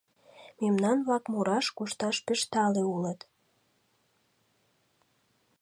Мемнан-влак мураш, кушташ пеш тале улыт.